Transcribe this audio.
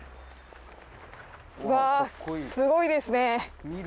わぁすごいですね。